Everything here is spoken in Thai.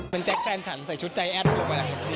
เป็นแจ็คแฟนฉันใส่ชุดใจแอดลงมาจากแท็กซี่